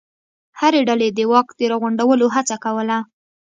هرې ډلې د واک د راغونډولو هڅه کوله.